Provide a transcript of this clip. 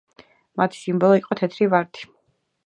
მათი სიმბოლო იყო თეთრი ვარდი.